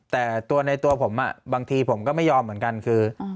แต่ตัวในตัวผมบางทีผมก็ไม่ยอมเหมือนกันคือ